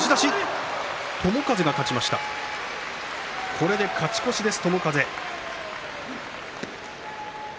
これで勝ち越しです